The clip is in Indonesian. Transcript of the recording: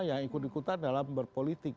yang ikut ikutan dalam berpolitik